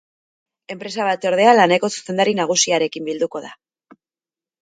Enpresa-batzordea laneko zuzendari nagusiarekin bilduko da.